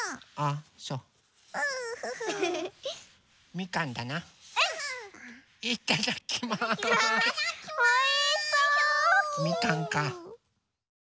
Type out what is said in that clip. みかんか。